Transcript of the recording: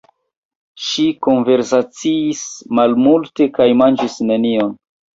Ŝi konversaciis malmulte kaj manĝis nenion.